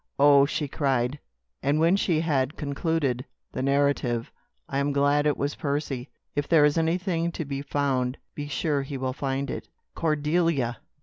"Oh!" she cried, when she had concluded the narrative, "I am glad it was Percy. If there is anything to be found, be sure he will find it." "Cordelia!"